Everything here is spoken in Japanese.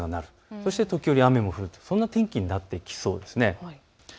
そして時折、雨も降るそんな天気になっていきそうです。